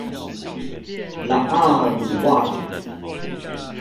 拉阿魯哇語